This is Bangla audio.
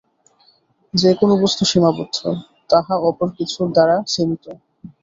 যে-কোন বস্তু সীমাবদ্ধ, তাহা অপর কিছুর দ্বারা সীমিত।